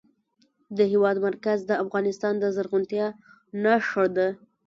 د هېواد مرکز د افغانستان د زرغونتیا نښه ده.